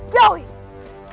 sudah ikuti saja